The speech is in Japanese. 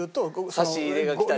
差し入れが来たりとか。